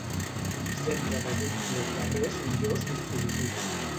Sempre desitjo els darrers i millors dispositius.